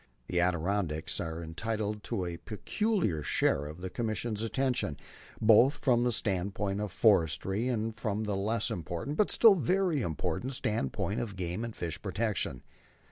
The Adirondacks are entitled to a peculiar share of the Commission's attention, both from the standpoint of forestry, and from the less important, but still very important, standpoint of game and fish protection.